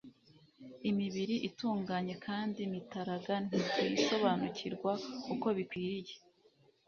imibiri , itunganye, kandi mitaraga ntituyisobanukirwa uko bikwiriye